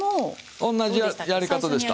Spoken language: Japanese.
同じやり方でした。